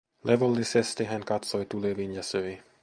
Levollisesti hän katsoi tuleviin ja söi.